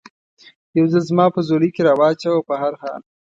یو ځل زما په ځولۍ کې را و چوه، په هر حال.